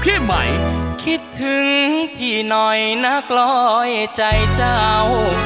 เพราะคิดถึงพี่หน่อยนักร้อยใจเจ้า